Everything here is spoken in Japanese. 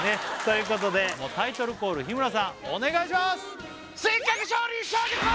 ということでタイトルコール日村さんお願いします！